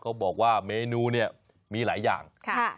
เขาบอกว่าเมนูเนี่ยมีหลายอย่าง